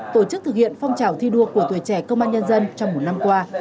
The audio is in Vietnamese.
tổ chức thực hiện phong trào thi đua của tuổi trẻ công an nhân dân trong một năm qua